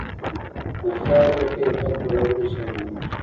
د خاورې د کیفیت لوړونه شاملیږي.